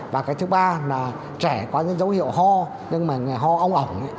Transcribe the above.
và cái thứ ba là trẻ có những dấu hiệu ho nhưng mà ho ong ẩm